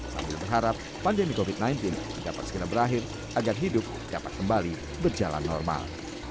sambil berharap pandemi covid sembilan belas dapat segera berakhir agar hidup dapat kembali berjalan normal